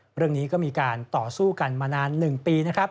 เรื่องนี้ก็มีการต่อสู้กันมานาน๑ปีนะครับ